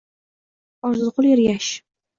Orziqul Ergash